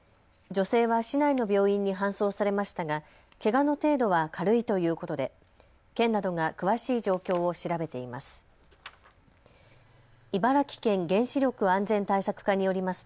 女性は市内の病院に搬送されましたが、けがの程度は軽いということで県などが詳しい状況を調べています。